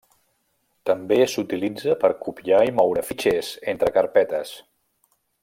També s'utilitza per copiar i moure fitxers entre carpetes.